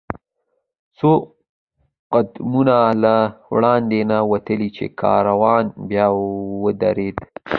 څو قدمه لا وړاندې نه و تللي، چې کاروان بیا ودرېد.